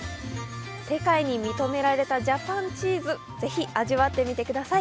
世界に認められたジャパンチーズぜひ味わってみてください。